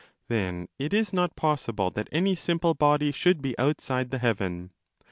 * Then it is not possible that any simple body should 270 be outside the heaven.